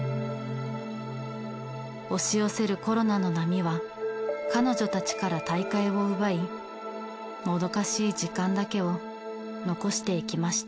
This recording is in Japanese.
押し寄せるコロナの波は彼女たちから大会を奪いもどかしい時間だけを残していきました。